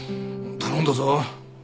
頼んだぞ。